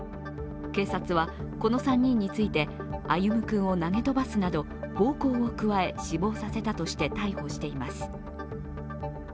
警察はこの３人について歩夢君を投げ飛ばすなど暴行を加え死亡させたとして逮捕しています。